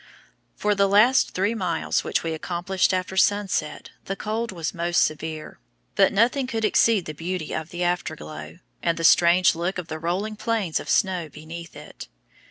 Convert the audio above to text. For the last three miles which we accomplished after sunset the cold was most severe, but nothing could exceed the beauty of the afterglow, and the strange look of the rolling plains of snow beneath it.